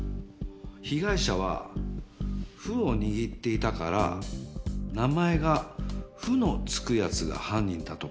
被害者は歩を握っていたから名前が「フ」の付く奴が犯人だとか？